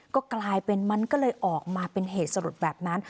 ก็กลายเป็นมันก็เลยออกมาเป็นเหตุสลดแบบนั้น